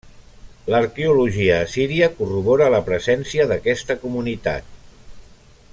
L'arqueologia a Síria corrobora la presència d'aquesta comunitat.